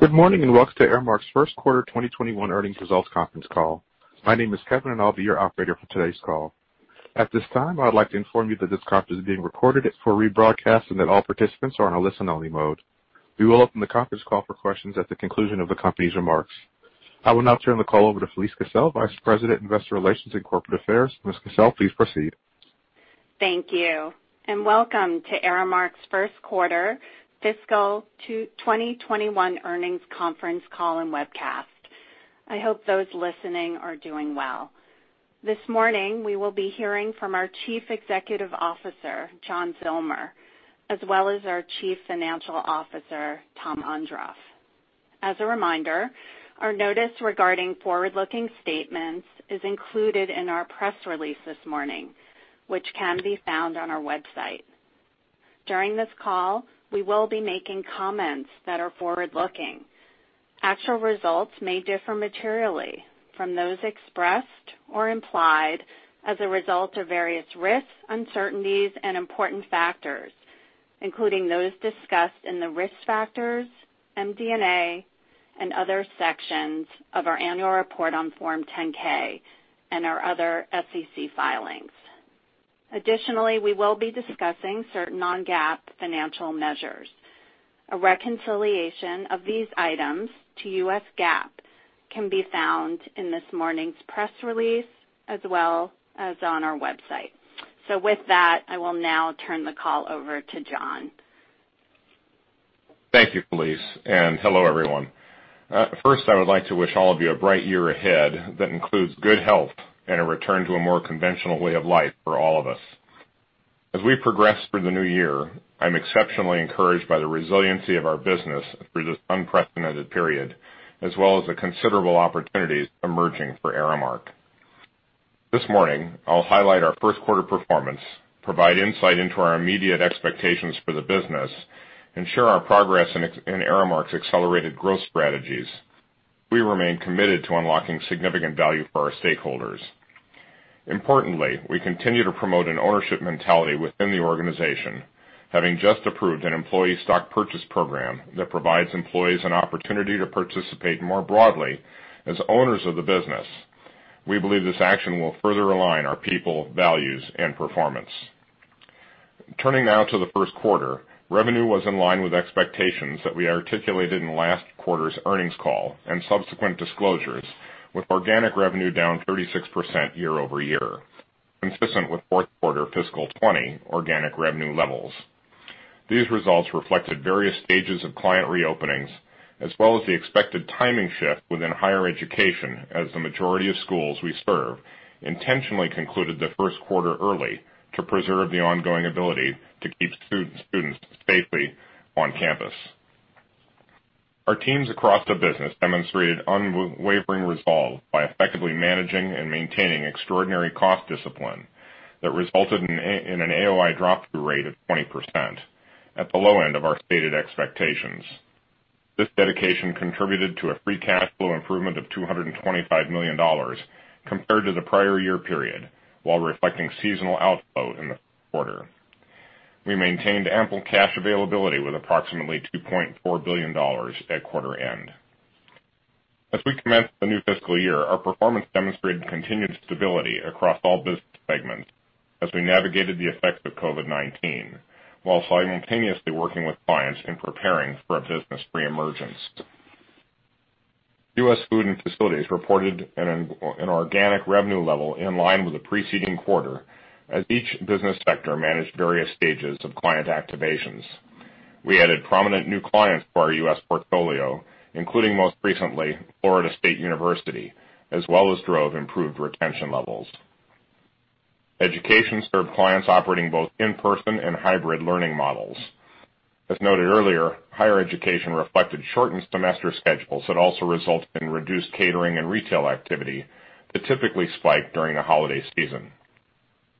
Good morning, and welcome to Aramark's First Quarter 2021 Earnings Results Conference Call. My name is Kevin. I'll be your operator for today's call. At this time, I would like to inform you that this conference is being recorded for rebroadcast. All participants are in a listen-only mode. We will open the conference call for questions at the conclusion of the company's remarks. I will now turn the call over to Felise Kissell, Vice President, Investor Relations and Corporate Affairs. Ms. Kissell, please proceed. Thank you, and welcome to Aramark's First Quarter Fiscal 2021 Earnings Conference Call and Webcast. I hope those listening are doing well. This morning, we will be hearing from our Chief Executive Officer, John Zillmer, as well as our Chief Financial Officer, Tom Ondrof. As a reminder, our notice regarding forward-looking statements is included in our press release this morning, which can be found on our website. During this call, we will be making comments that are forward-looking. Actual results may differ materially from those expressed or implied as a result of various risks, uncertainties, and important factors, including those discussed in the risk factors, MD&A, and other sections of our annual report on Form 10-K and our other SEC filings. Additionally, we will be discussing certain non-GAAP financial measures. A reconciliation of these items to U.S. GAAP can be found in this morning's press release as well as on our website. With that, I will now turn the call over to John. Thank you, Felise, and hello, everyone. First, I would like to wish all of you a bright year ahead that includes good health and a return to a more conventional way of life for all of us. As we progress through the new year, I'm exceptionally encouraged by the resiliency of our business through this unprecedented period, as well as the considerable opportunities emerging for Aramark. This morning, I'll highlight our first quarter performance, provide insight into our immediate expectations for the business, and share our progress in Aramark's accelerated growth strategies. We remain committed to unlocking significant value for our stakeholders. Importantly, we continue to promote an ownership mentality within the organization, having just approved an employee stock purchase program that provides employees an opportunity to participate more broadly as owners of the business. We believe this action will further align our people, values, and performance. Turning now to the first quarter, revenue was in line with expectations that we articulated in last quarter's earnings call and subsequent disclosures, with organic revenue down 36% year-over-year, consistent with fourth quarter fiscal 2020 organic revenue levels. These results reflected various stages of client reopenings as well as the expected timing shift within higher education as the majority of schools we serve intentionally concluded the first quarter early to preserve the ongoing ability to keep students safely on campus. Our teams across the business demonstrated unwavering resolve by effectively managing and maintaining extraordinary cost discipline that resulted in an AOI drop-through rate of 20%, at the low end of our stated expectations. This dedication contributed to a free cash flow improvement of $225 million compared to the prior year period, while reflecting seasonal outflow in the quarter. We maintained ample cash availability with approximately $2.4 billion at quarter end. As we commenced the new fiscal year, our performance demonstrated continued stability across all business segments as we navigated the effects of COVID-19 while simultaneously working with clients and preparing for a business reemergence. U.S. Food and Facilities reported an organic revenue level in line with the preceding quarter as each business sector managed various stages of client activations. We added prominent new clients to our U.S. portfolio, including most recently Florida State University, as well as drove improved retention levels. Education served clients operating both in-person and hybrid learning models. As noted earlier, higher education reflected shortened semester schedules that also resulted in reduced catering and retail activity that typically spike during the holiday season.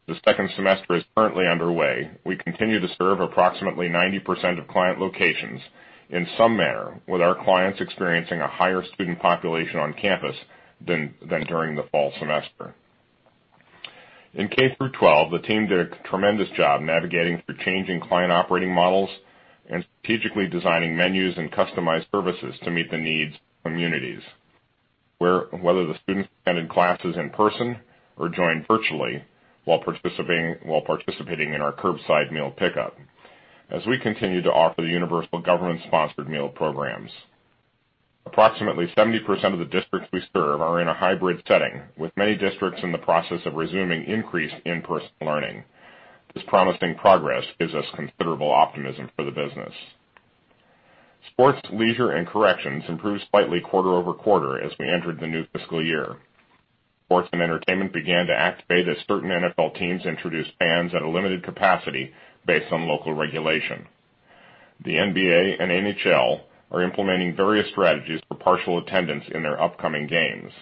The second semester is currently underway. We continue to serve approximately 90% of client locations in some manner, with our clients experiencing a higher student population on campus than during the fall semester. In K through 12, the team did a tremendous job navigating through changing client operating models and strategically designing menus and customized services to meet the needs of communities. Whether the students attended classes in person or joined virtually while participating in our curbside meal pickup, as we continue to offer the universal government-sponsored meal programs. Approximately 70% of the districts we serve are in a hybrid setting, with many districts in the process of resuming increased in-person learning. This promising progress gives us considerable optimism for the business. Sports, Leisure, and Corrections improved slightly quarter-over-quarter as we entered the new fiscal year. Sports & Entertainment began to activate as certain NFL teams introduced fans at a limited capacity based on local regulation. The NBA and NHL are implementing various strategies for partial attendance in their upcoming games.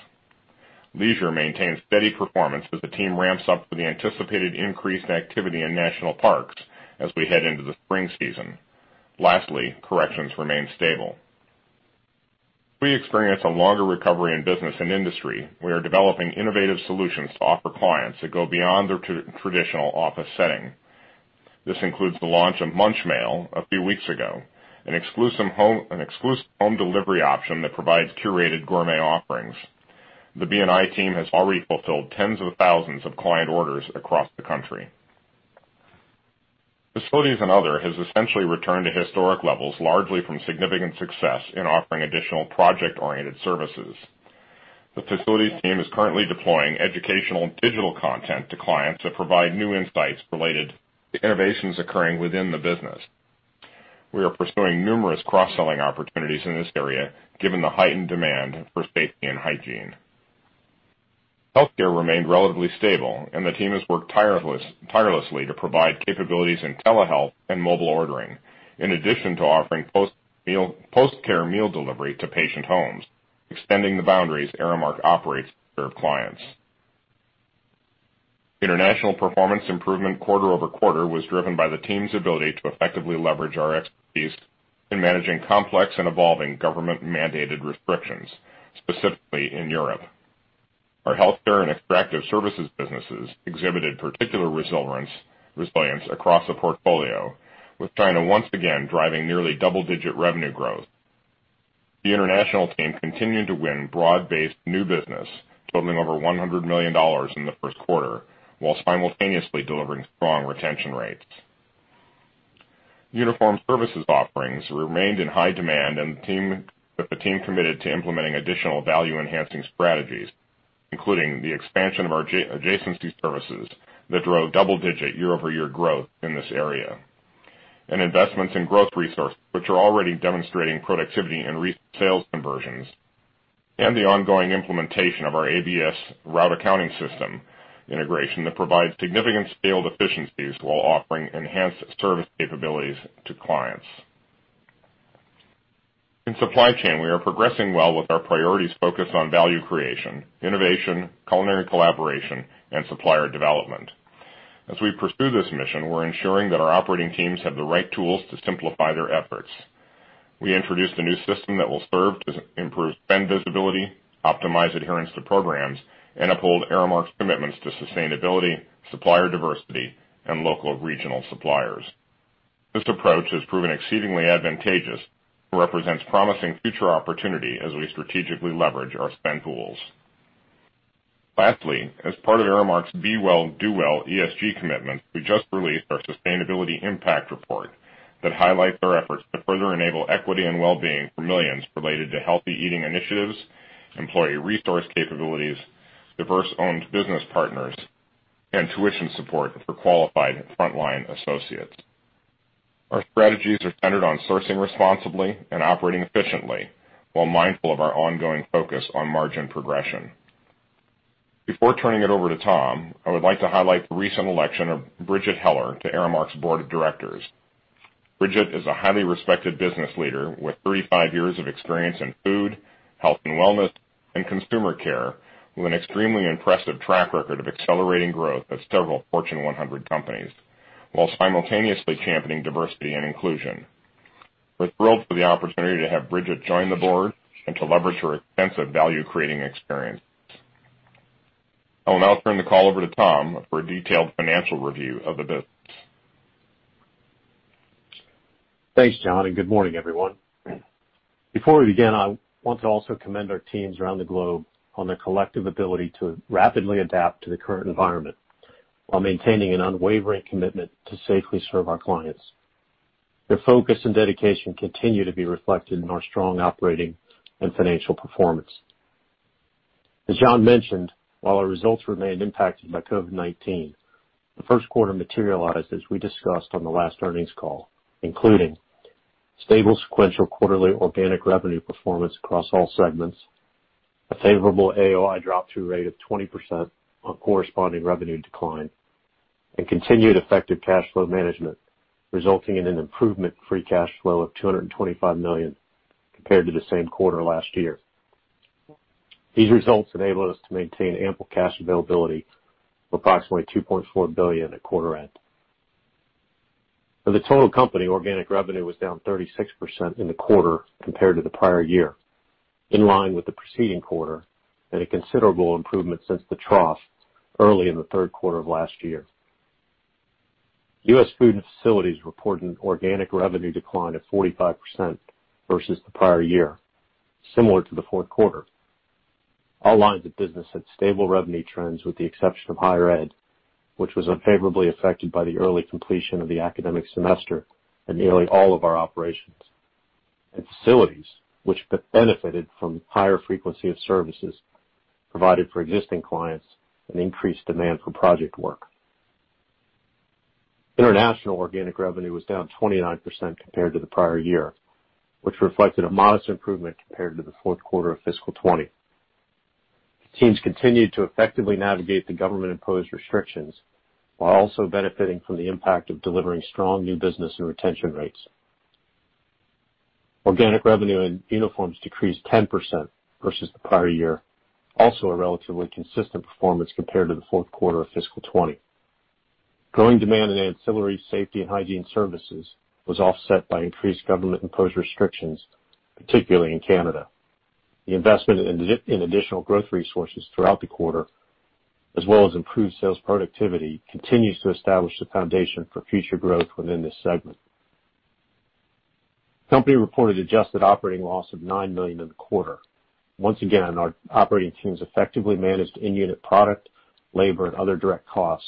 Leisure maintains steady performance as the team ramps up for the anticipated increased activity in national parks as we head into the spring season. Lastly, Corrections remains stable. We experienced a longer recovery in Business & Industry. We are developing innovative solutions to offer clients that go beyond their traditional office setting. This includes the launch of Munch Mail a few weeks ago, an exclusive home delivery option that provides curated gourmet offerings. The B&I team has already fulfilled tens of thousands of client orders across the country. Facilities & Other has essentially returned to historic levels, largely from significant success in offering additional project-oriented services. The facilities team is currently deploying educational and digital content to clients that provide new insights related to innovations occurring within the business. We are pursuing numerous cross-selling opportunities in this area, given the heightened demand for safety and hygiene. Healthcare remained relatively stable, and the team has worked tirelessly to provide capabilities in telehealth and mobile ordering, in addition to offering post-care meal delivery to patient homes, extending the boundaries Aramark operates to serve clients. International performance improvement quarter-over-quarter was driven by the team's ability to effectively leverage our expertise in managing complex and evolving government-mandated restrictions, specifically in Europe. Our healthcare and extractive services businesses exhibited particular resilience across the portfolio, with China once again driving nearly double-digit revenue growth. The international team continued to win broad-based new business totaling over $100 million in the first quarter, whilst simultaneously delivering strong retention rates. Uniform services offerings remained in high demand with the team committed to implementing additional value-enhancing strategies, including the expansion of our adjacency services that drove double-digit year-over-year growth in this area, and investments in growth resources, which are already demonstrating productivity and recent sales conversions, and the ongoing implementation of our ABS route accounting system integration that provides significant scaled efficiencies while offering enhanced service capabilities to clients. In supply chain, we are progressing well with our priorities focused on value creation, innovation, culinary collaboration, and supplier development. As we pursue this mission, we're ensuring that our operating teams have the right tools to simplify their efforts. We introduced a new system that will serve to improve spend visibility, optimize adherence to programs, and uphold Aramark's commitments to sustainability, supplier diversity, and local regional suppliers. This approach has proven exceedingly advantageous and represents promising future opportunity as we strategically leverage our spend pools. Lastly, as part of Aramark's Be Well. Do Well. ESG commitment, we just released our sustainability impact report that highlights our efforts to further enable equity and wellbeing for millions related to healthy eating initiatives, employee resource capabilities, diverse-owned business partners, and tuition support for qualified frontline associates. Our strategies are centered on sourcing responsibly and operating efficiently while mindful of our ongoing focus on margin progression. Before turning it over to Tom, I would like to highlight the recent election of Bridgette Heller to Aramark's Board of Directors. Bridgette is a highly respected business leader with 35 years of experience in food, health and wellness, and consumer care, with an extremely impressive track record of accelerating growth at several Fortune 100 companies while simultaneously championing diversity and inclusion. We're thrilled for the opportunity to have Bridgette join the board and to leverage her extensive value-creating experience. I will now turn the call over to Tom for a detailed financial review of the business. Thanks, John. Good morning, everyone. Before we begin, I want to also commend our teams around the globe on their collective ability to rapidly adapt to the current environment while maintaining an unwavering commitment to safely serve our clients. Their focus and dedication continue to be reflected in our strong operating and financial performance. As John mentioned, while our results remained impacted by COVID-19, the first quarter materialized as we discussed on the last earnings call, including stable sequential quarterly organic revenue performance across all segments, a favorable AOI drop-through rate of 20% on corresponding revenue decline, and continued effective cash flow management, resulting in an improvement free cash flow of $225 million compared to the same quarter last year. These results enable us to maintain ample cash availability of approximately $2.4 billion at quarter end. For the total company, organic revenue was down 36% in the quarter compared to the prior year, in line with the preceding quarter, and a considerable improvement since the trough early in the third quarter of last year. U.S. Food and Facilities reported an organic revenue decline of 45% versus the prior year. Similar to the fourth quarter, all lines of business had stable revenue trends with the exception of higher ed, which was unfavorably affected by the early completion of the academic semester in nearly all of our operations, and facilities, which benefited from higher frequency of services provided for existing clients and increased demand for project work. International organic revenue was down 29% compared to the prior year, which reflected a modest improvement compared to the fourth quarter of fiscal 2020. The teams continued to effectively navigate the government-imposed restrictions while also benefiting from the impact of delivering strong new business and retention rates. Organic revenue in uniforms decreased 10% versus the prior year, also a relatively consistent performance compared to the fourth quarter of fiscal 2020. Growing demand in ancillary safety and hygiene services was offset by increased government-imposed restrictions, particularly in Canada. The investment in additional growth resources throughout the quarter, as well as improved sales productivity, continues to establish the foundation for future growth within this segment. Company reported adjusted operating loss of $9 million in the quarter. Once again, our operating teams effectively managed in-unit product, labor, and other direct costs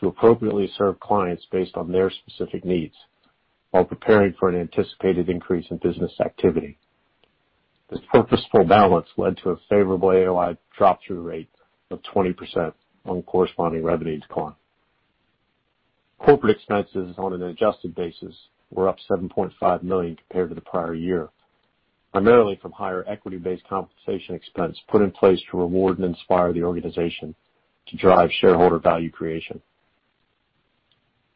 to appropriately serve clients based on their specific needs while preparing for an anticipated increase in business activity. This purposeful balance led to a favorable AOI drop-through rate of 20% on corresponding revenues decline. Corporate expenses on an adjusted basis were up $7.5 million compared to the prior year, primarily from higher equity-based compensation expense put in place to reward and inspire the organization to drive shareholder value creation.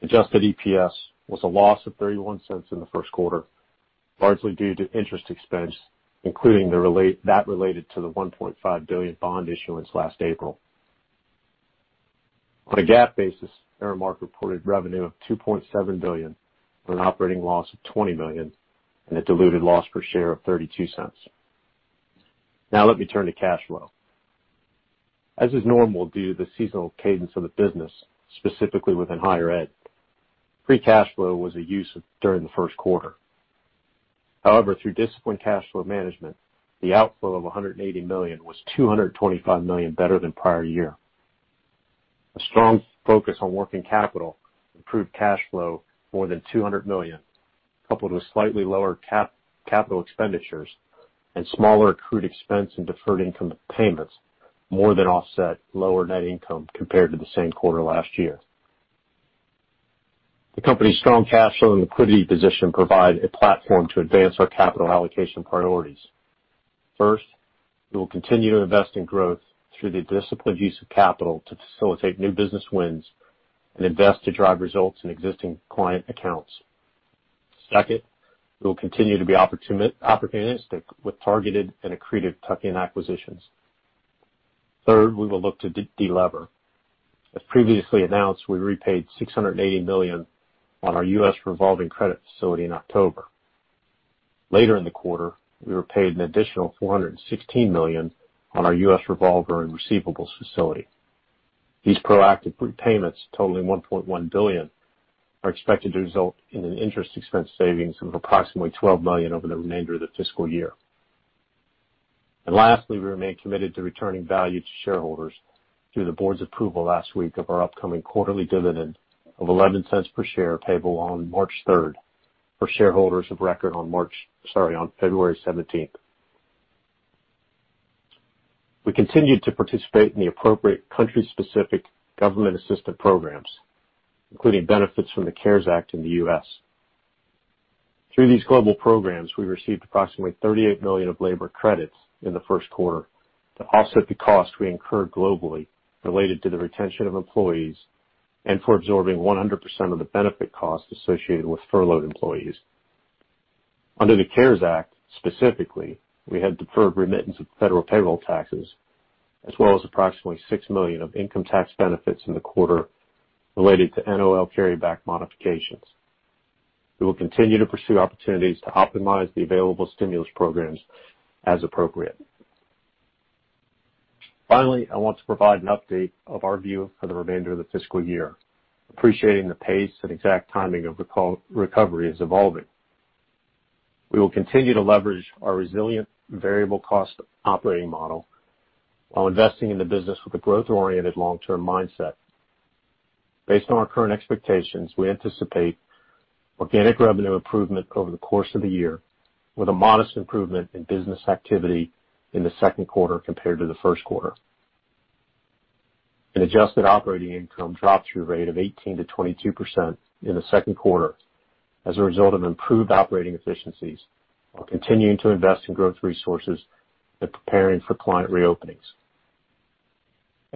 Adjusted EPS was a loss of $0.31 in the first quarter, largely due to interest expense, including that related to the $1.5 billion bond issuance last April. On a GAAP basis, Aramark reported revenue of $2.7 billion on an an operating loss of $20 million and a diluted loss per share of $0.32. Let me turn to cash flow. As is normal due to the seasonal cadence of the business, specifically within higher ed, free cash flow was a use during the first quarter. However, through disciplined cash flow management, the outflow of $180 million was $225 million better than prior year. A strong focus on working capital improved cash flow more than $200 million, coupled with slightly lower capital expenditures and smaller accrued expense and deferred income payments more than offset lower net income compared to the same quarter last year. The company's strong cash flow and liquidity position provide a platform to advance our capital allocation priorities. First, we will continue to invest in growth through the disciplined use of capital to facilitate new business wins and invest to drive results in existing client accounts. Second, we will continue to be opportunistic with targeted and accretive tuck-in acquisitions. Third, we will look to de-lever. As previously announced, we repaid $680 million on our U.S. revolving credit facility in October. Later in the quarter, we repaid an additional $416 million on our U.S. revolver and receivables facility. These proactive prepayments totaling $1.1 billion are expected to result in an interest expense savings of approximately $12 million over the remainder of the fiscal year. Lastly, we remain committed to returning value to shareholders through the board's approval last week of our upcoming quarterly dividend of $0.11 per share payable on March 3rd for shareholders of record on March sorry, on February 17th. We continued to participate in the appropriate country-specific government assistance programs, including benefits from the CARES Act in the U.S. Through these global programs, we received approximately $38 million of labor credits in the first quarter to offset the cost we incurred globally related to the retention of employees and for absorbing 100% of the benefit costs associated with furloughed employees. Under the CARES Act, specifically, we had deferred remittance of federal payroll taxes, as well as approximately $6 million of income tax benefits in the quarter related to NOL carryback modifications. We will continue to pursue opportunities to optimize the available stimulus programs as appropriate. I want to provide an update of our view for the remainder of the fiscal year, appreciating the pace and exact timing of recovery is evolving. We will continue to leverage our resilient variable cost operating model while investing in the business with a growth-oriented long-term mindset. Based on our current expectations, we anticipate organic revenue improvement over the course of the year with a modest improvement in business activity in the second quarter compared to the first quarter. An adjusted operating income drop-through rate of 18%-22% in the second quarter as a result of improved operating efficiencies while continuing to invest in growth resources and preparing for client reopenings.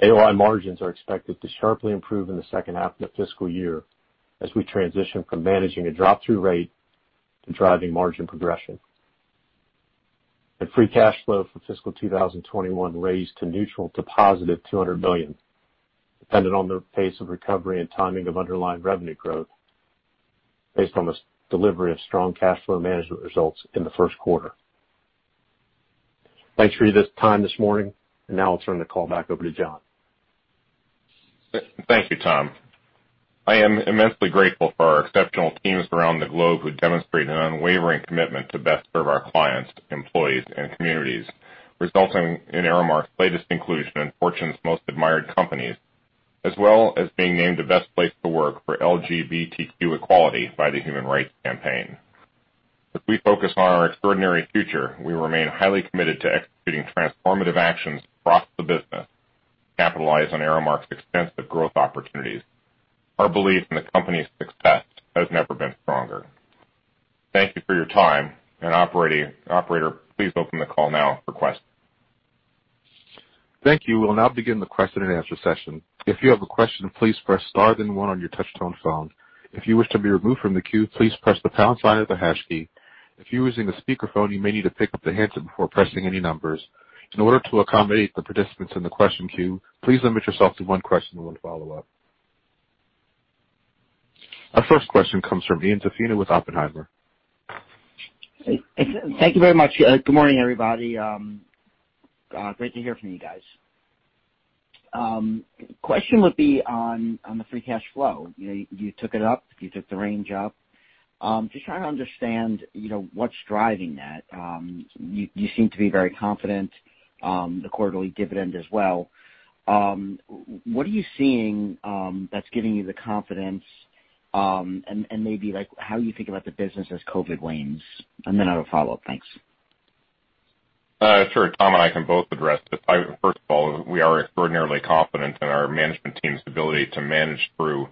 AOI margins are expected to sharply improve in the second half of the fiscal year as we transition from managing a drop-through rate to driving margin progression. Free cash flow for fiscal 2021 raised to neutral to +$200 million, dependent on the pace of recovery and timing of underlying revenue growth based on the delivery of strong cash flow management results in the first quarter. Thanks for your time this morning, and now I'll turn the call back over to John. Thank you, Tom. I am immensely grateful for our exceptional teams around the globe who demonstrate an unwavering commitment to best serve our clients, employees, and communities, resulting in Aramark's latest inclusion in Fortune's Most Admired Companies, as well as being named a best place to work for LGBTQ equality by the Human Rights Campaign. As we focus on our extraordinary future, we remain highly committed to executing transformative actions across the business to capitalize on Aramark's extensive growth opportunities. Our belief in the company's success has never been stronger. Thank you for your time. Operator, please open the call now for questions. Thank you. We'll now begin the question and answer session. If you have a question, please press star then one on your touch-tone phone. If you wish to be removed from the queue, please press the pound sign or the hash key. If you are using a speaker phone you may need to pick up your handset before pressing any numbers. In order to accommodate the participants in the question queue, please limit yourself to one question and one follow-up. Our first question comes from Ian Zaffino with Oppenheimer. Thank you very much. Good morning, everybody. Great to hear from you guys. Question would be on the free cash flow. You took it up, you took the range up. Just trying to understand what's driving that? You seem to be very confident, the quarterly dividend as well. What are you seeing that's giving you the confidence, and maybe how you think about the business as COVID wanes? Then I have a follow-up. Thanks. Sure. Tom and I can both address this. First of all, we are extraordinarily confident in our management team's ability to manage through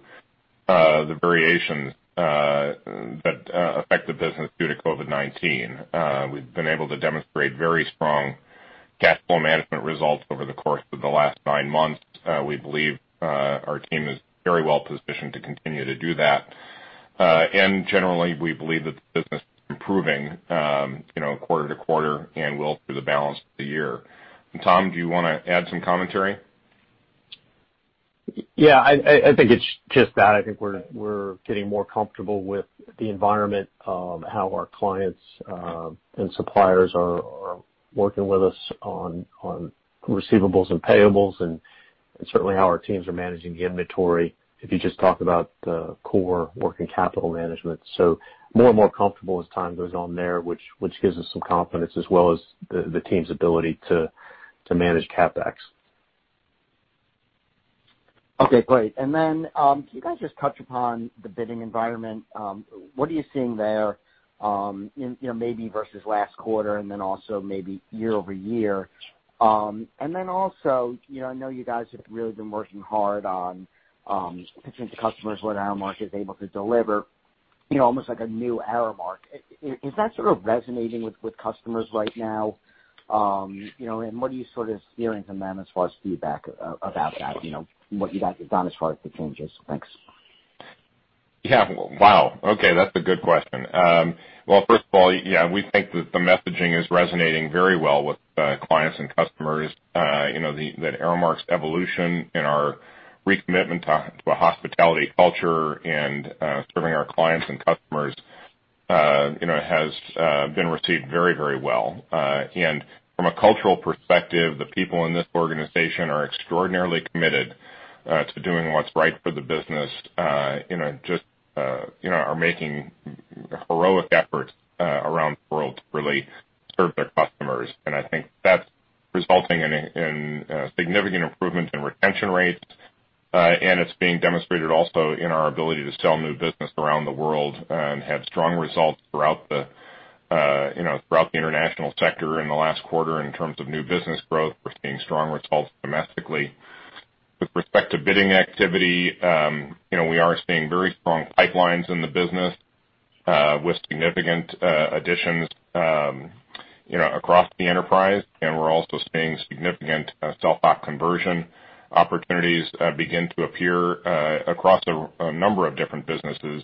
the variations that affect the business due to COVID-19. We've been able to demonstrate very strong cash flow management results over the course of the last nine months. We believe our team is very well-positioned to continue to do that. Generally, we believe that the business is improving quarter-to-quarter and will through the balance of the year. Tom, do you want to add some commentary? Yeah, I think it's just that. I think we're getting more comfortable with the environment, how our clients and suppliers are working with us on receivables and payables, and certainly how our teams are managing inventory, if you just talk about the core working capital management. More and more comfortable as time goes on there, which gives us some confidence as well as the team's ability to manage CapEx. Okay, great. Can you guys just touch upon the bidding environment? What are you seeing there maybe versus last quarter, and then also maybe year-over-year? I know you guys have really been working hard on pitching to customers what Aramark is able to deliver, almost like a new Aramark. Is that sort of resonating with customers right now? What are you sort of hearing from them as far as feedback about that, what you guys have done as far as the changes? Thanks. Yeah. Wow. Okay, that's a good question. Well, first of all, yeah, we think that the messaging is resonating very well with clients and customers. That Aramark's evolution and our recommitment to a hospitality culture and serving our clients and customers has been received very well. From a cultural perspective, the people in this organization are extraordinarily committed to doing what's right for the business, just are making heroic efforts around the world to really serve their customers. I think that's resulting in significant improvement in retention rates. It's being demonstrated also in our ability to sell new business around the world and have strong results throughout the international sector in the last quarter in terms of new business growth. We're seeing strong results domestically. With respect to bidding activity, we are seeing very strong pipelines in the business with significant additions across the enterprise. We're also seeing significant self-op conversion opportunities begin to appear across a number of different businesses,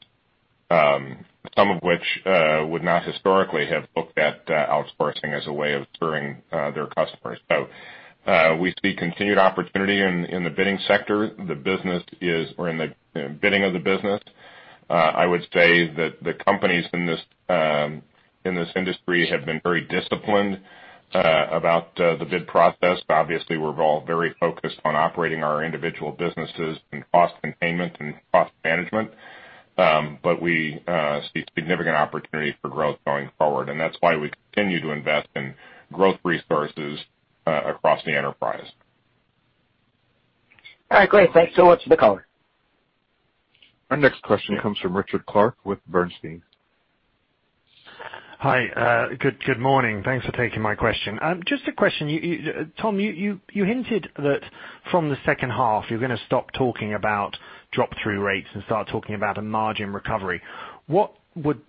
some of which would not historically have looked at outsourcing as a way of serving their customers. We see continued opportunity in the bidding sector. We're in the bidding of the business. I would say that the companies in this industry have been very disciplined about the bid process. Obviously we're all very focused on operating our individual businesses and cost containment and cost management. We see significant opportunity for growth going forward. That's why we continue to invest in growth resources across the enterprise. All right, great. Thanks so much for the color. Our next question comes from Richard Clarke with Bernstein. Hi, good morning. Thanks for taking my question. Just a question. Tom, you hinted that from the second half, you're gonna stop talking about drop-through rates and start talking about a margin recovery.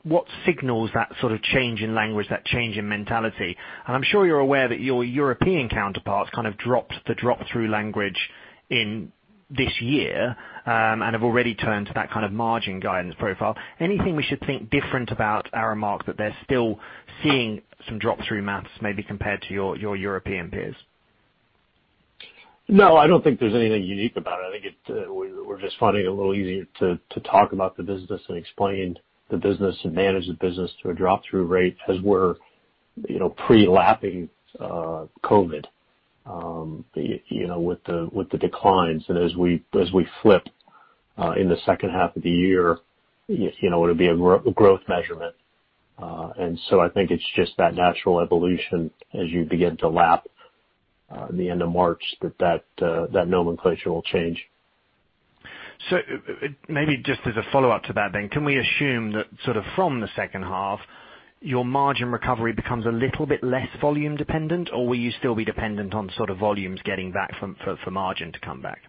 What signals that sort of change in language, that change in mentality? I'm sure you're aware that your European counterparts kind of dropped the drop-through language in this year, and have already turned to that kind of margin guidance profile. Anything we should think different about Aramark that they're still seeing some drop-through math maybe compared to your European peers? No, I don't think there's anything unique about it. I think we're just finding it a little easier to talk about the business and explain the business and manage the business to a drop-through rate as we're pre-lapping COVID with the declines. As we flip in the second half of the year, it'll be a growth measurement. I think it's just that natural evolution as you begin to lap the end of March that that nomenclature will change. Maybe just as a follow-up to that then, can we assume that sort of from the second half, your margin recovery becomes a little bit less volume dependent, or will you still be dependent on sort of volumes getting back for margin to come back?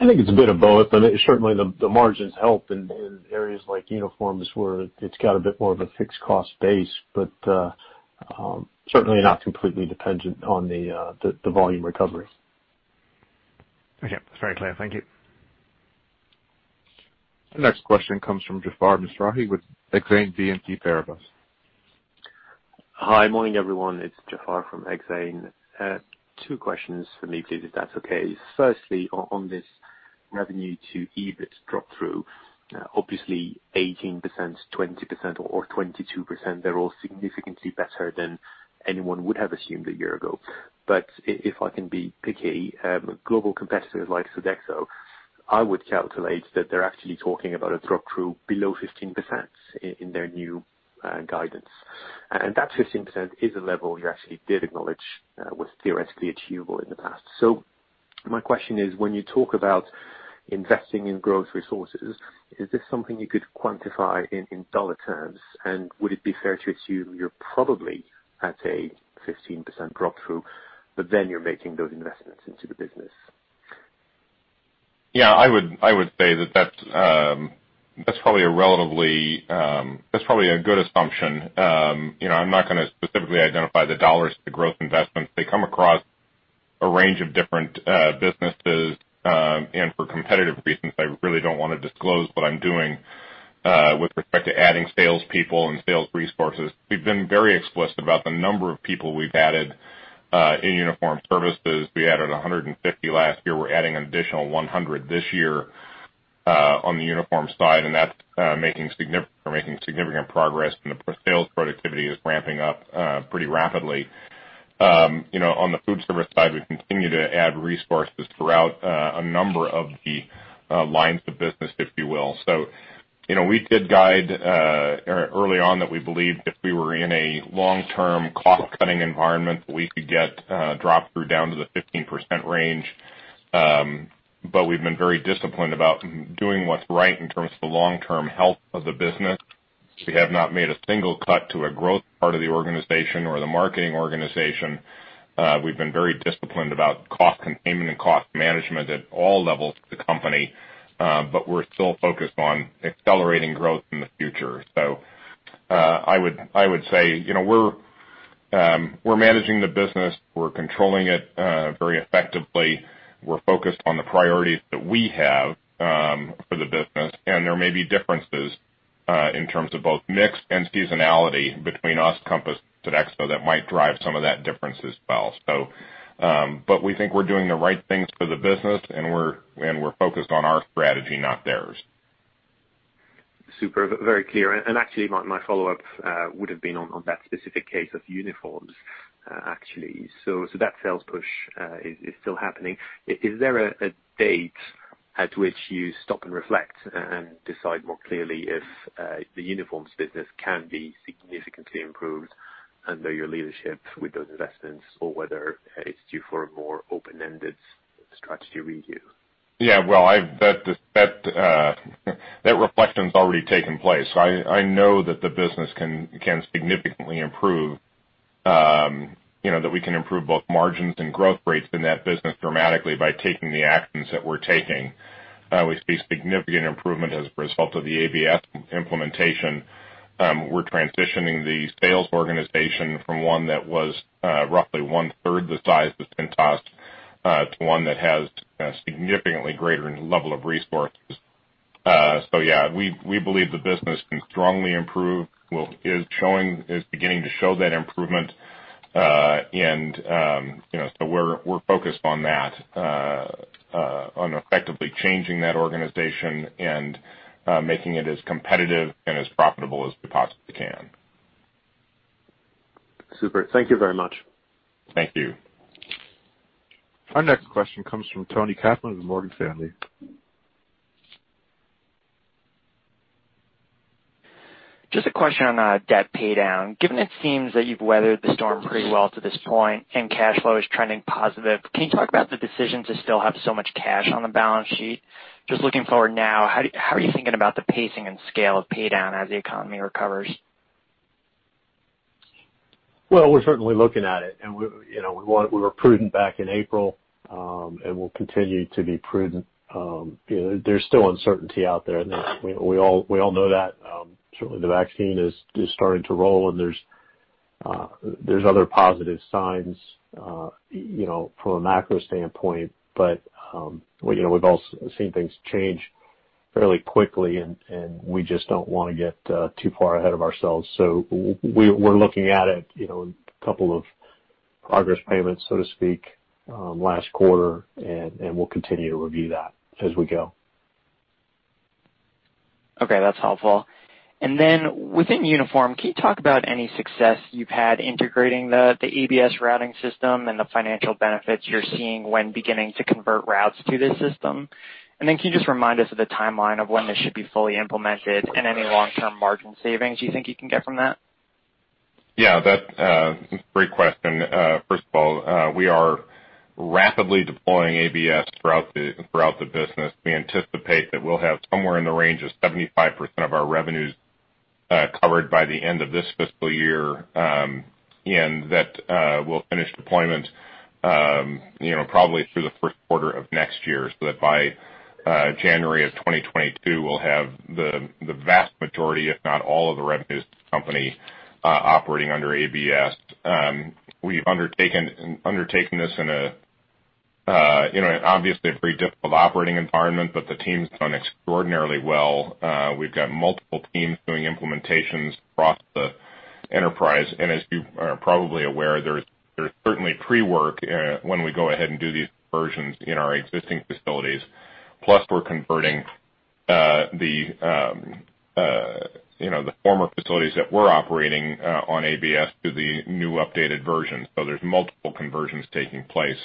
I think it's a bit of both, but certainly the margins help in areas like uniforms where it's got a bit more of a fixed cost base, but certainly not completely dependent on the volume recovery. Okay. That's very clear. Thank you. The next question comes from Jaafar Mestari with Exane BNP Paribas. Hi, morning, everyone. It's Jaafar from Exane. Two questions from me, please, if that's okay. Firstly, on this revenue to EBIT drop-through, obviously 18%, 20% or 22%, they're all significantly better than anyone would have assumed a year ago. If I can be picky, global competitors like Sodexo, I would calculate that they're actually talking about a drop-through below 15% in their new guidance. That 15% is a level you actually did acknowledge was theoretically achievable in the past. My question is, when you talk about investing in growth resources, is this something you could quantify in dollar terms? Would it be fair to assume you're probably at a 15% drop-through, but then you're making those investments into the business? I would say that's probably a good assumption. I'm not going to specifically identify the dollars to growth investments. They come across a range of different businesses, and for competitive reasons, I really don't want to disclose what I'm doing with respect to adding salespeople and sales resources. We've been very explicit about the number of people we've added in uniform services. We added 150 last year. We're adding an additional 100 this year on the uniform side, and that's making significant progress, and the sales productivity is ramping up pretty rapidly. On the food service side, we continue to add resources throughout a number of the lines of business, if you will. We did guide early on that we believed if we were in a long-term cost-cutting environment, we could get drop-through down to the 15% range. We've been very disciplined about doing what's right in terms of the long-term health of the business. We have not made a single cut to a growth part of the organization or the marketing organization. We've been very disciplined about cost containment and cost management at all levels of the company. We're still focused on accelerating growth in the future. I would say, we're managing the business. We're controlling it very effectively. We're focused on the priorities that we have for the business, and there may be differences in terms of both mix and seasonality between us, Compass, Sodexo, that might drive some of that difference as well. We think we're doing the right things for the business and we're focused on our strategy, not theirs. Super. Very clear. Actually, my follow-up would've been on that specific case of uniforms, actually. That sales push is still happening. Is there a date at which you stop and reflect and decide more clearly if the uniforms business can be significantly improved under your leadership with those investments or whether it's due for a more open-ended strategy review? Yeah. Well, that reflection's already taken place. I know that the business can significantly improve. We can improve both margins and growth rates in that business dramatically by taking the actions that we're taking. We see significant improvement as a result of the ABS implementation. We're transitioning the sales organization from one that was roughly one-third the size of Cintas to one that has a significantly greater level of resources. Yeah, we believe the business can strongly improve. Well, it is beginning to show that improvement. We're focused on that, on effectively changing that organization and making it as competitive and as profitable as we possibly can. Super. Thank you very much. Thank you. Our next question comes from Toni Kaplan of Morgan Stanley. Just a question on debt paydown. Given it seems that you've weathered the storm pretty well to this point and cash flow is trending positive, can you talk about the decision to still have so much cash on the balance sheet? Just looking forward now, how are you thinking about the pacing and scale of paydown as the economy recovers? We're certainly looking at it, and we were prudent back in April, and we'll continue to be prudent. There's still uncertainty out there, and we all know that. Certainly, the vaccine is starting to roll and there's other positive signs from a macro standpoint. We've also seen things change fairly quickly, and we just don't want to get too far ahead of ourselves. We're looking at it, a couple of progress payments so to speak, last quarter, and we'll continue to review that as we go. Okay. That's helpful. Within Uniform, can you talk about any success you've had integrating the ABS routing system and the financial benefits you're seeing when beginning to convert routes to the system? Can you just remind us of the timeline of when this should be fully implemented and any long-term margin savings you think you can get from that? Yeah, that's a great question. First of all, we are rapidly deploying ABS throughout the business. We anticipate that we'll have somewhere in the range of 75% of our revenues covered by the end of this fiscal year, and that we'll finish deployment probably through the first quarter of next year. That by January of 2022, we'll have the vast majority, if not all of the revenue company operating under ABS. We've undertaken this in an obviously very difficult operating environment, the team's done extraordinarily well. We've got multiple teams doing implementations across the enterprise. As you are probably aware, there's certainly pre-work when we go ahead and do these conversions in our existing facilities. We're converting the former facilities that were operating on ABS to the new updated versions. There's multiple conversions taking place.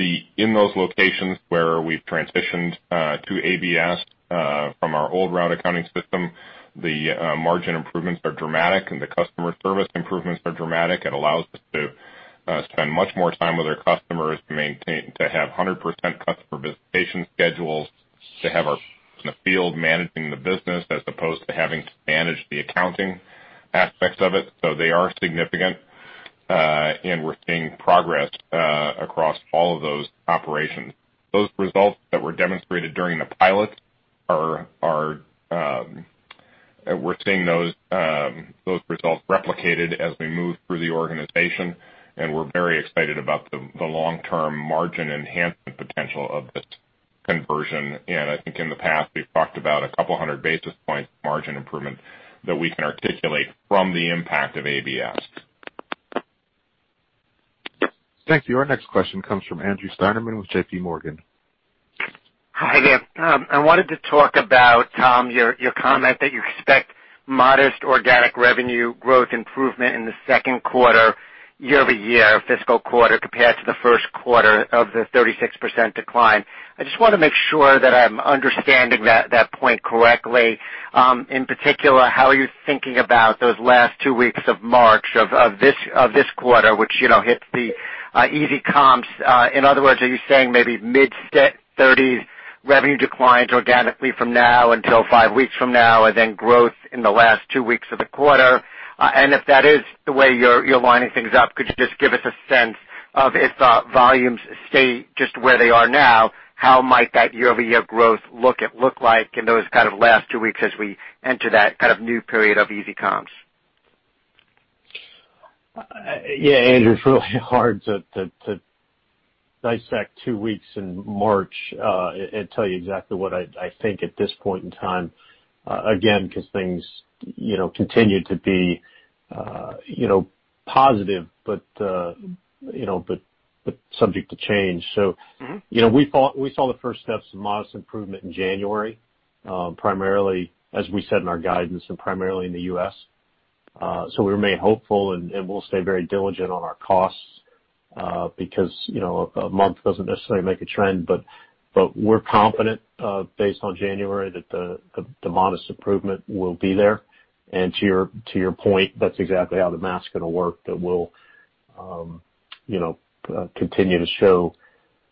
In those locations where we've transitioned to ABS from our old route accounting system, the margin improvements are dramatic, and the customer service improvements are dramatic. It allows us to spend much more time with our customers to have 100% customer visitation schedules, to have our people in the field managing the business as opposed to having to manage the accounting aspects of it. They are significant. We're seeing progress across all of those operations. Those results that were demonstrated during the pilot, we're seeing those results replicated as we move through the organization, and we're very excited about the long-term margin enhancement potential of this conversion. I think in the past, we've talked about a couple hundred basis points margin improvement that we can articulate from the impact of ABS. Thank you. Our next question comes from Andrew Steinerman with JP Morgan. Hi there. I wanted to talk about, Tom, your comment that you expect modest organic revenue growth improvement in the second quarter year-over-year fiscal quarter compared to the first quarter of the 36% decline. I just want to make sure that I'm understanding that point correctly. In particular, how are you thinking about those last two weeks of March of this quarter, which hits the easy comps? In other words, are you saying maybe mid-30s revenue declines organically from now until five weeks from now, and then growth in the last two weeks of the quarter? If that is the way you're lining things up, could you just give us a sense of, if volumes stay just where they are now, how might that year-over-year growth look like in those last two weeks as we enter that new period of easy comps? Andrew, it's really hard to dissect two weeks in March and tell you exactly what I think at this point in time. Because things continue to be positive but subject to change. We saw the first steps of modest improvement in January, primarily as we said in our guidance, and primarily in the U.S. We remain hopeful, and we'll stay very diligent on our costs because a month doesn't necessarily make a trend, but we're confident, based on January, that the modest improvement will be there. To your point, that's exactly how the math's going to work, that we'll continue to show,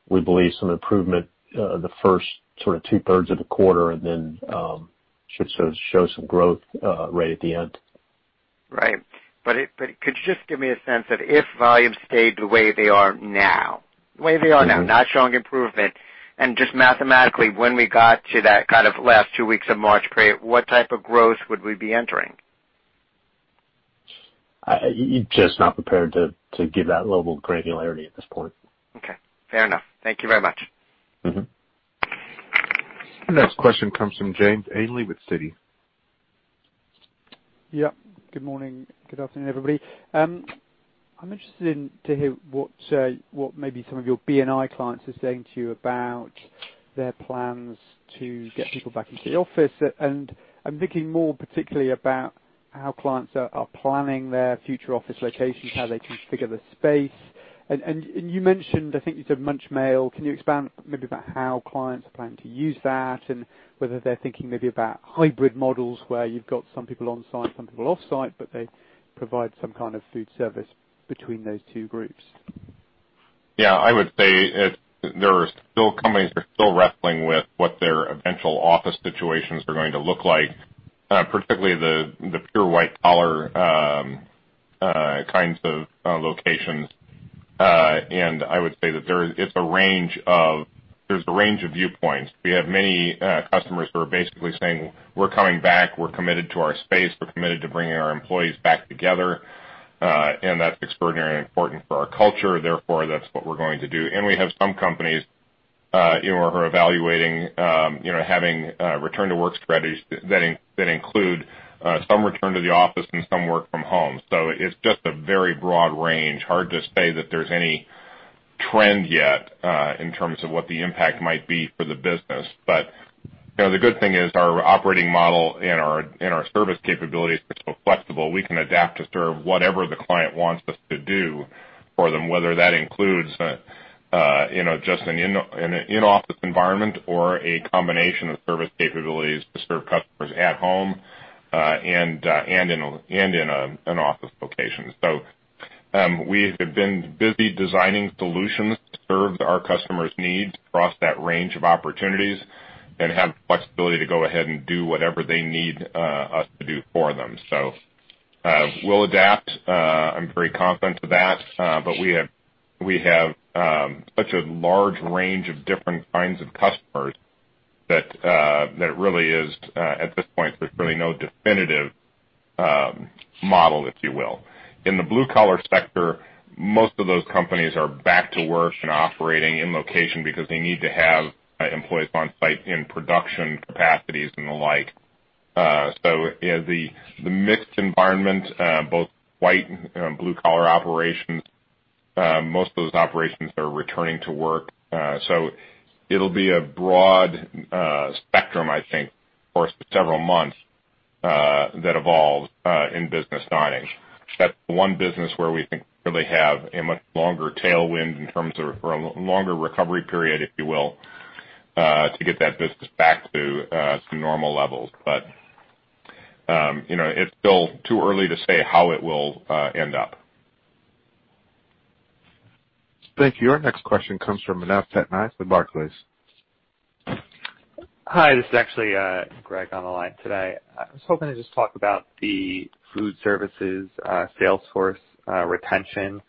we believe, some improvement the first two-thirds of the quarter and then should show some growth right at the end. Right. Could you just give me a sense that if volumes stayed the way they are now, not showing improvement, and just mathematically, when we got to that last two weeks of March period, what type of growth would we be entering? Just not prepared to give that level of granularity at this point. Okay. Fair enough. Thank you very much. Our next question comes from James Ainley with Citi. Yep. Good morning. Good afternoon, everybody. I'm interested to hear what maybe some of your B&I clients are saying to you about their plans to get people back into the office. I'm thinking more particularly about how clients are planning their future office locations, how they configure the space. You mentioned, I think you said Munch Mail. Can you expand maybe about how clients are planning to use that and whether they're thinking maybe about hybrid models where you've got some people on-site, some people off-site, but they provide some kind of food service between those two groups? I would say there are still companies that are still wrestling with what their eventual office situations are going to look like, particularly the pure white collar kinds of locations. I would say that there's a range of viewpoints. We have many customers who are basically saying, "We're coming back. We're committed to our space. We're committed to bringing our employees back together. That's extraordinarily important for our culture. Therefore, that's what we're going to do." We have some companies who are evaluating having return to work strategies that include some return to the office and some work from home. It's just a very broad range. Hard to say that there's any trend yet in terms of what the impact might be for the business. The good thing is our operating model and our service capabilities are so flexible we can adapt to serve whatever the client wants us to do for them, whether that includes just an in-office environment or a combination of service capabilities to serve customers at home and in an office location. We have been busy designing solutions to serve our customers' needs across that range of opportunities and have the flexibility to go ahead and do whatever they need us to do for them. We'll adapt. I'm very confident of that. We have such a large range of different kinds of customers that at this point, there's really no definitive model, if you will. In the blue-collar sector, most of those companies are back to work and operating in location because they need to have employees on site in production capacities and the like. The mixed environment, both white- and blue-collar operations, most of those operations are returning to work. It'll be a broad spectrum, I think, for several months that evolves in business dining. That's one business where we think we really have a much longer tailwind in terms of a longer recovery period, if you will, to get that business back to some normal levels. It's still too early to say how it will end up. Thank you. Our next question comes from Manav Patnaik with Barclays. Hi, this is actually Greg on the line today. I was hoping to just talk about the food services sales force retention.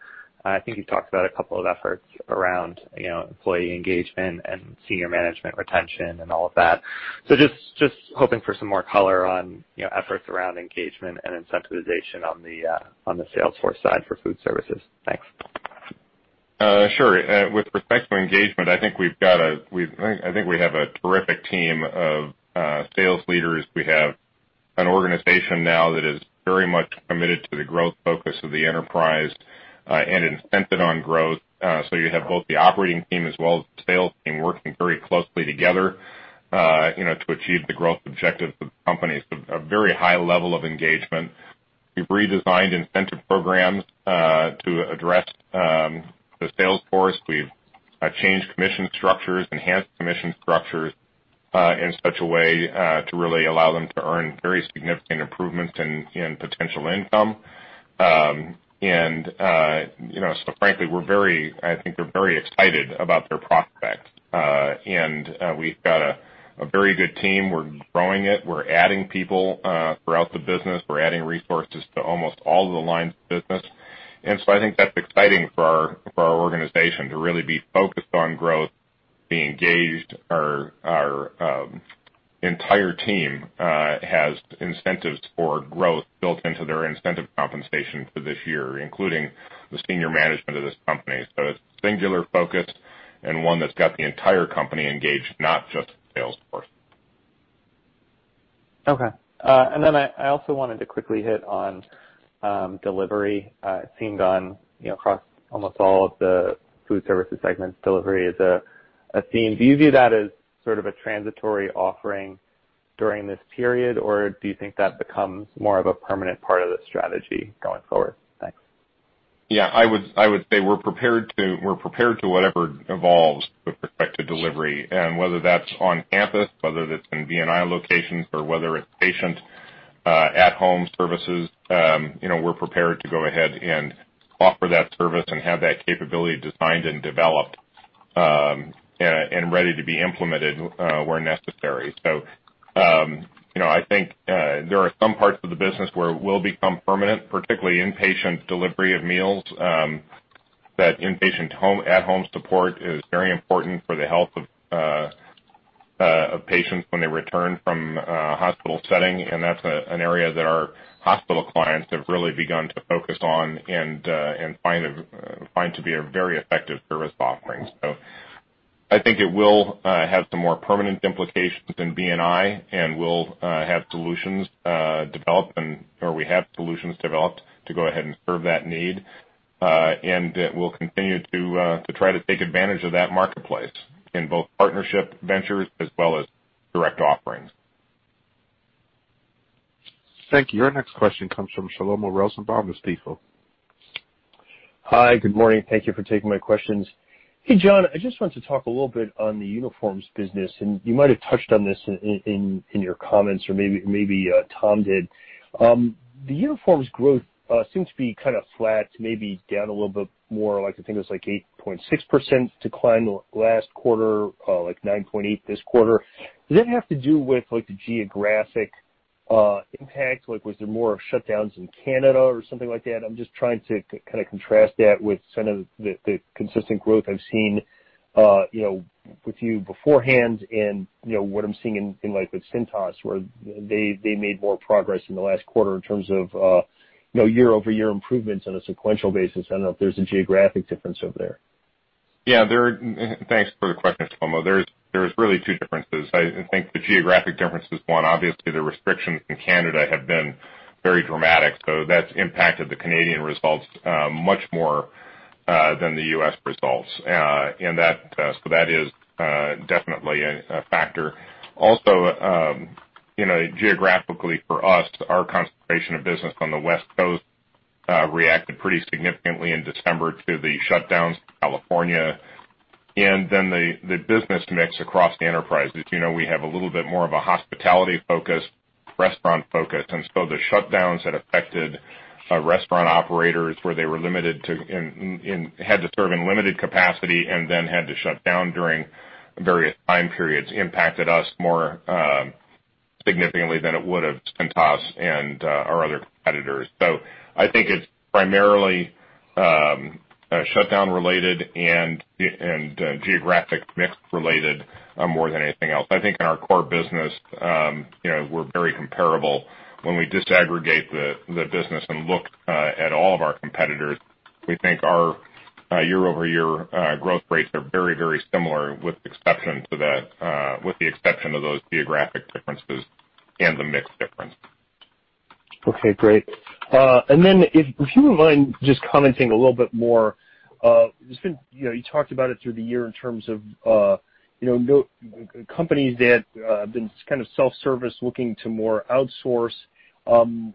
I think you talked about a couple of efforts around employee engagement and senior management retention and all of that. Just hoping for some more color on efforts around engagement and incentivization on the sales force side for food services. Thanks. Sure. With respect to engagement, I think we have a terrific team of sales leaders. We have an organization now that is very much committed to the growth focus of the enterprise and incented on growth. You have both the operating team as well as the sales team working very closely together to achieve the growth objectives of the company. A very high level of engagement. We've redesigned incentive programs to address the sales force. We've changed commission structures, enhanced commission structures in such a way to really allow them to earn very significant improvements in potential income. Frankly, I think they're very excited about their prospects. We've got a very good team. We're growing it. We're adding people throughout the business. We're adding resources to almost all the lines of business. I think that's exciting for our organization to really be focused on growth, be engaged. Our entire team has incentives for growth built into their incentive compensation for this year, including the senior management of this company. It's singular focused and one that's got the entire company engaged, not just the sales force. Okay. Then I also wanted to quickly hit on delivery. It seemed on across almost all of the food services segments, delivery is a theme. Do you view that as sort of a transitory offering during this period, or do you think that becomes more of a permanent part of the strategy going forward? Thanks. Yeah, I would say we're prepared to whatever evolves with respect to delivery, and whether that's on campus, whether that's in B&I locations, or whether it's patient at-home services, we're prepared to go ahead and offer that service and have that capability designed and developed and ready to be implemented where necessary. I think there are some parts of the business where it will become permanent, particularly in patient delivery of meals. That inpatient at-home support is very important for the health of patients when they return from a hospital setting, and that's an area that our hospital clients have really begun to focus on and find to be a very effective service offering. I think it will have some more permanent implications in B&I, and we'll have solutions developed, or we have solutions developed to go ahead and serve that need. We'll continue to try to take advantage of that marketplace in both partnership ventures as well as direct offerings. Thank you. Our next question comes from Shlomo Rosenbaum with Stifel. Hi, good morning. Thank Thank you for taking my questions. Hey, John, I just want to talk a little bit on the uniforms business, and you might have touched on this in your comments or maybe Tom did. The uniforms growth seems to be kind of flat, maybe down a little bit more like, I think it was like 8.6% decline last quarter, like 9.8% this quarter. Does that have to do with the geographic impact? Was there more shutdowns in Canada or something like that? I'm just trying to kind of contrast that with some of the consistent growth I've seen with you beforehand and what I'm seeing in Cintas, where they made more progress in the last quarter in terms of year-over-year improvements on a sequential basis. I don't know if there's a geographic difference over there. Thanks for the question, Shlomo. There's really two differences. I think the geographic difference is one. Obviously, the restrictions in Canada have been very dramatic, so that's impacted the Canadian results much more than the U.S. results. That is definitely a factor. Also, geographically for us, our concentration of business on the West Coast reacted pretty significantly in December to the shutdowns in California. The business mix across the enterprise. As you know, we have a little bit more of a hospitality focus, restaurant focus, the shutdowns that affected restaurant operators where they were limited to and had to serve in limited capacity and then had to shut down during various time periods impacted us more significantly than it would have Cintas and our other competitors. I think it's primarily shutdown related and geographic mix related more than anything else. I think in our core business, we're very comparable. When we disaggregate the business and look at all of our competitors, we think our year-over-year growth rates are very similar with the exception of those geographic differences and the mix difference. Okay, great. If you wouldn't mind just commenting a little bit more, you talked about it through the year in terms of companies that have been kind of self-op looking to more outsource, and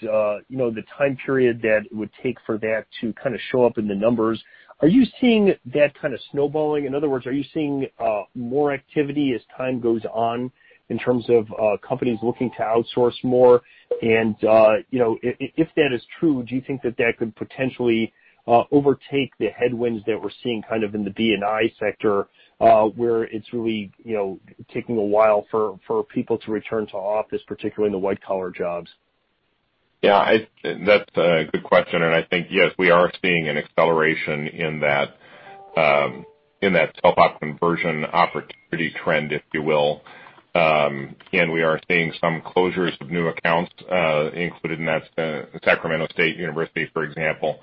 the time period that it would take for that to kind of show up in the numbers. Are you seeing that kind of snowballing? In other words, are you seeing more activity as time goes on in terms of companies looking to outsource more? And if that is true, do you think that that could potentially overtake the headwinds that we're seeing in the B&I sector, where it's really taking a while for people to return to office, particularly in the white-collar jobs? Yeah, that's a good question. I think, yes, we are seeing an acceleration in that self-op conversion opportunity trend, if you will. We are seeing some closures of new accounts included in that. Sacramento State University, for example,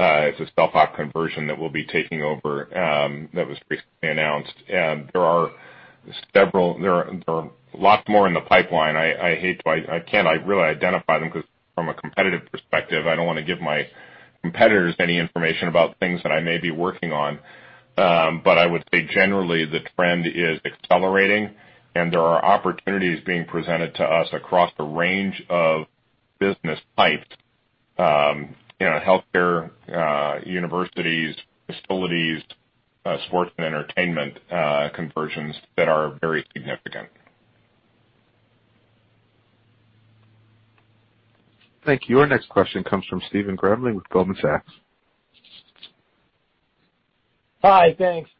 is a self-op conversion that we'll be taking over that was recently announced. There are lots more in the pipeline. I can't really identify them because from a competitive perspective, I don't want to give my competitors any information about things that I may be working on. I would say generally the trend is accelerating, and there are opportunities being presented to us across a range of business types, Healthcare, universities, facilities, sports and entertainment conversions that are very significant. Thank you. Our next question comes from Stephen Grambling with Goldman Sachs. Hi, thanks.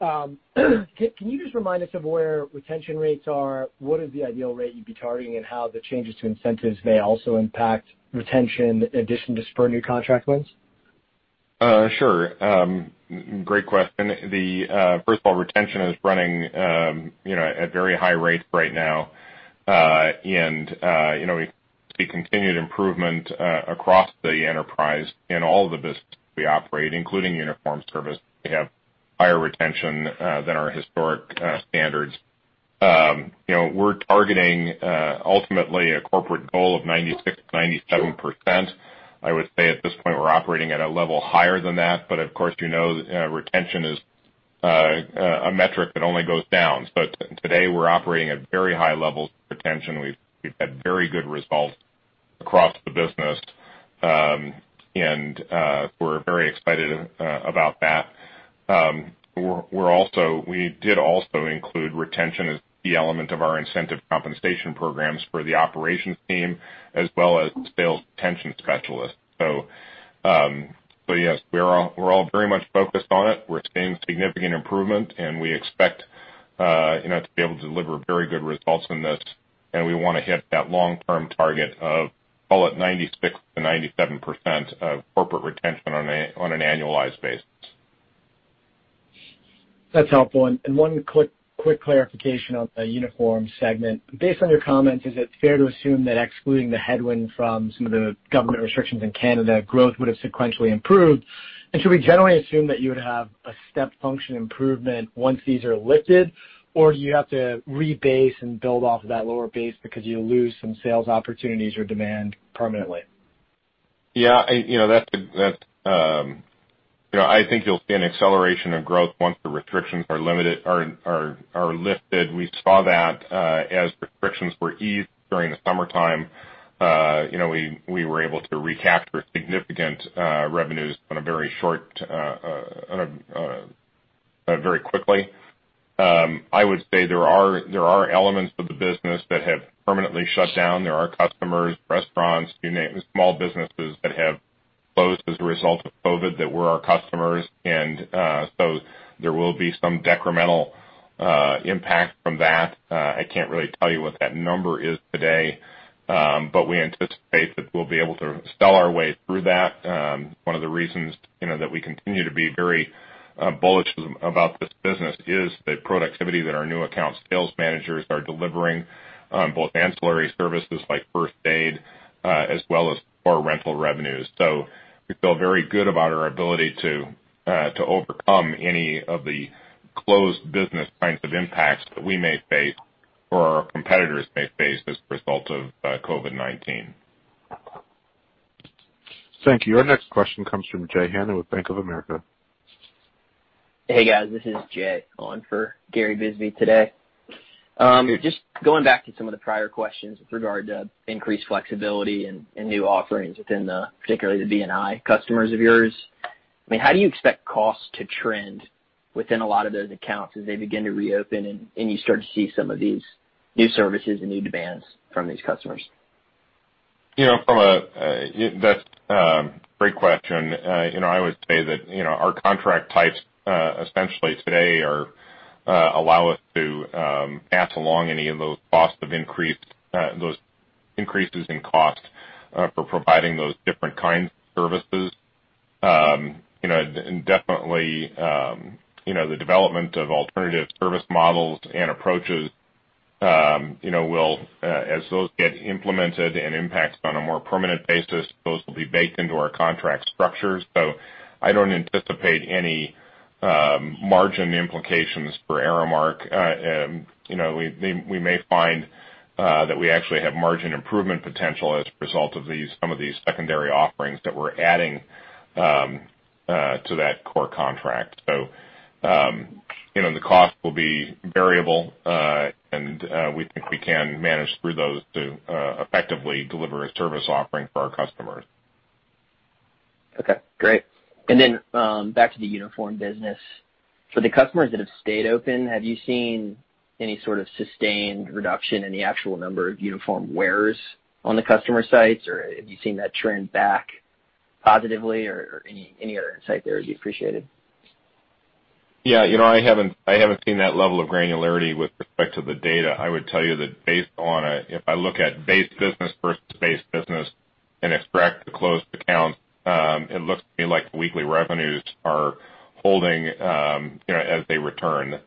Can you just remind us of where retention rates are? What is the ideal rate you'd be targeting, and how the changes to incentives may also impact retention in addition to spur new contract wins? Sure. Great question. First of all, retention is running at very high rates right now. We see continued improvement across the enterprise in all the business we operate, including uniform service. We have higher retention than our historic standards. We're targeting, ultimately, a corporate goal of 96%-97%. I would say at this point, we're operating at a level higher than that, but of course, you know retention is a metric that only goes down. Today, we're operating at very high levels of retention. We've had very good results across the business, and we're very excited about that. We did also include retention as the element of our incentive compensation programs for the operations team as well as sales retention specialists. But yes, we're all very much focused on it. We're seeing significant improvement, and we expect to be able to deliver very good results in this. We want to hit that long-term target of call it 96%-97% of corporate retention on an annualized basis. That's helpful. One quick clarification on the uniform segment: Based on your comments, is it fair to assume that excluding the headwind from some of the government restrictions in Canada, growth would have sequentially improved? Should we generally assume that you would have a step function improvement once these are lifted? Or do you have to rebase and build off of that lower base because you lose some sales opportunities or demand permanently? Yeah. I think you'll see an acceleration of growth once the restrictions are lifted. We saw that as restrictions were eased during the summertime. We were able to recapture significant revenues very quickly. I would say there are elements of the business that have permanently shut down. There are customers, restaurants, small businesses that have closed as a result of COVID that were our customers. There will be some decremental impact from that. I can't really tell you what that number is today, but we anticipate that we'll be able to sell our way through that. One of the reasons that we continue to be very bullish about this business is the productivity that our new account sales managers are delivering on both ancillary services like first aid as well as our rental revenues. We feel very good about our ability to overcome any of the closed business kinds of impacts that we may face or our competitors may face as a result of COVID-19. Thank you. Our next question comes from Jay Hanna with Bank of America. Hey, guys, this is Jay on for Gary Bisbee today. Just going back to some of the prior questions with regard to increased flexibility and new offerings within the particularly the B&I customers of yours. How do you expect costs to trend within a lot of those accounts as they begin to reopen and you start to see some of these new services and new demands from these customers? That's a great question. I would say that our contract types essentially today allow us to pass along any of those increases in cost for providing those different kinds of services. Definitely the development of alternative service models and approaches as those get implemented and impacted on a more permanent basis, those will be baked into our contract structures. I don't anticipate any margin implications for Aramark. We may find that we actually have margin improvement potential as a result of some of these secondary offerings that we're adding to that core contract. The cost will be variable, and we think we can manage through those to effectively deliver a service offering for our customers. Okay, great. Back to the uniform business. For the customers that have stayed open, have you seen any sort of sustained reduction in the actual number of uniform wearers on the customer sites, or have you seen that trend back positively or any other insight there would be appreciated. Yeah. I haven't seen that level of granularity with respect to the data. I would tell you that based on a, if I look at base business versus base business and extract the closed accounts, it looks to me like weekly revenues are holding as they return.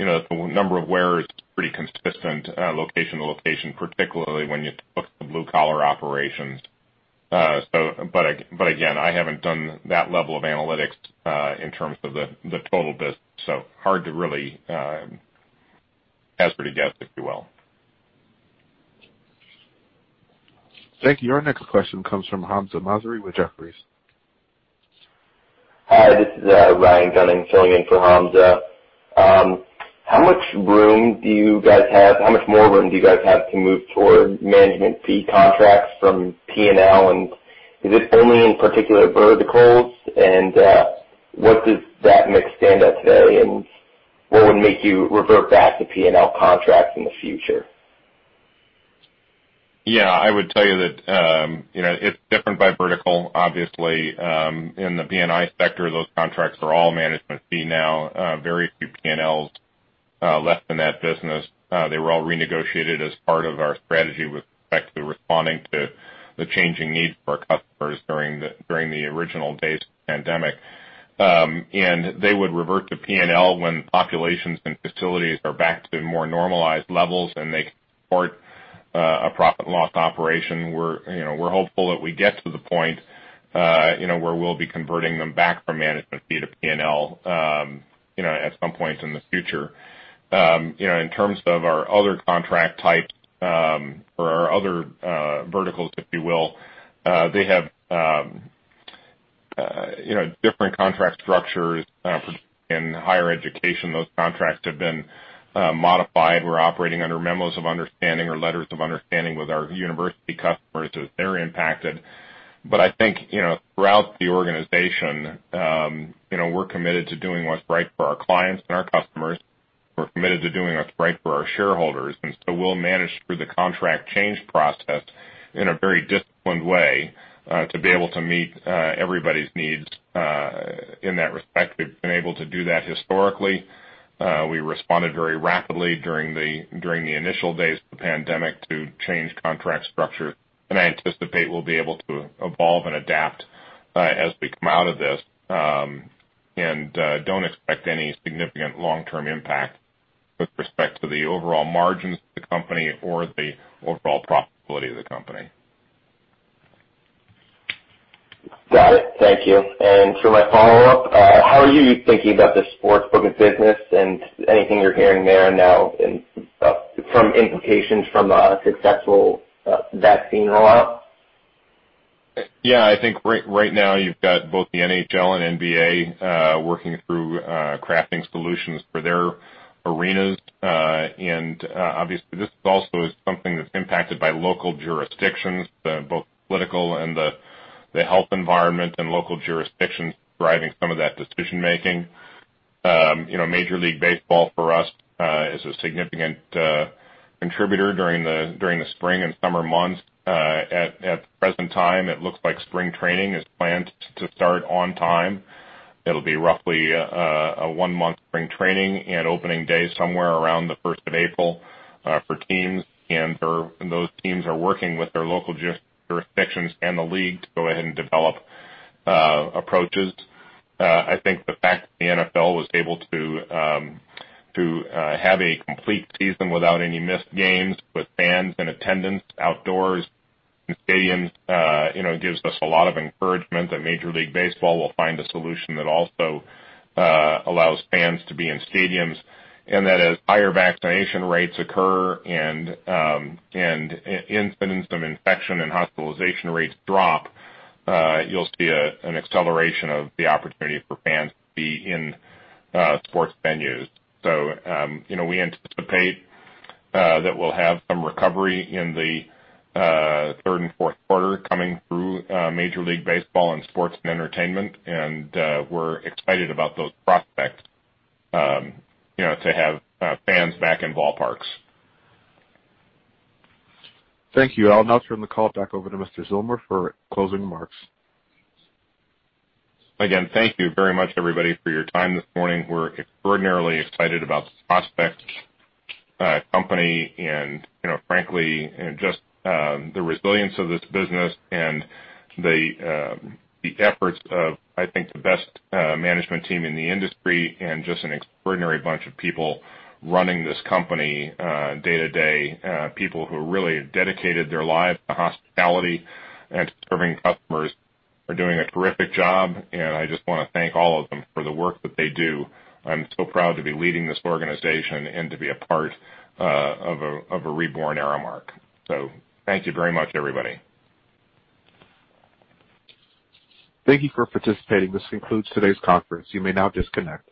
The number of wearers is pretty consistent location to location, particularly when you look at the blue-collar operations. Again, I haven't done that level of analytics in terms of the total business, so hard to really hazard a guess, if you will. Thank you. Our next question comes from Hamzah Mazari with Jefferies. Hi, this is Ryan Gunning filling in for Hamzah. How much room do you guys have? How much more room do you guys have to move toward management fee contracts from P&L? Is it only in particular verticals? What does that mix stand at today? What would make you revert back to P&L contracts in the future? Yeah. I would tell you that it's different by vertical. Obviously, in the B&I sector, those contracts are all management fee now, very few P&Ls left in that business. They were all renegotiated as part of our strategy with respect to responding to the changing needs for our customers during the original days of the pandemic. They would revert to P&L when populations and facilities are back to more normalized levels and they support a profit and loss operation. We're hopeful that we get to the point where we'll be converting them back from management fee to P&L at some point in the future. In terms of our other contract types, or our other verticals, if you will, they have different contract structures. In higher education, those contracts have been modified. We're operating under memos of understanding or letters of understanding with our university customers as they're impacted. I think throughout the organization, we're committed to doing what's right for our clients and our customers. We're committed to doing what's right for our shareholders. We'll manage through the contract change process in a very disciplined way, to be able to meet everybody's needs in that respect. We've been able to do that historically. We responded very rapidly during the initial days of the pandemic to change contract structure, and I anticipate we'll be able to evolve and adapt as we come out of this. Don't expect any significant long-term impact with respect to the overall margins of the company or the overall profitability of the company. Got it. Thank you. For my follow-up, how are you thinking about the sports booking business and anything you're hearing there now from implications from a successful vaccine rollout? Yeah, I think right now you've got both the NHL and NBA working through crafting solutions for their arenas. Obviously this also is something that's impacted by local jurisdictions, both political and the health environment and local jurisdictions driving some of that decision making. Major League Baseball for us is a significant contributor during the spring and summer months. At the present time, it looks like spring training is planned to start on time. It'll be roughly a one-month spring training and opening day somewhere around the 1 of April for teams. Those teams are working with their local jurisdictions and the league to go ahead and develop approaches. I think the fact that the NFL was able to have a complete season without any missed games with fans in attendance outdoors in stadiums gives us a lot of encouragement that Major League Baseball will find a solution that also allows fans to be in stadiums. As higher vaccination rates occur and incidence of infection and hospitalization rates drop, you'll see an acceleration of the opportunity for fans to be in sports venues. We anticipate that we'll have some recovery in the third and fourth quarter coming through Major League Baseball and sports and entertainment, and we're excited about those prospects to have fans back in ballparks. Thank you. I'll now turn the call back over to Mr. Zillmer for closing remarks. Again, thank you very much, everybody, for your time this morning. We're extraordinarily excited about the prospects of the company and frankly, just the resilience of this business and the efforts of, I think, the best management team in the industry and just an extraordinary bunch of people running this company day to day. People who really have dedicated their lives to hospitality and to serving customers are doing a terrific job, and I just want to thank all of them for the work that they do. I'm so proud to be leading this organization and to be a part of a reborn Aramark. Thank you very much, everybody. Thank you for participating. This concludes today's conference. You may now disconnect.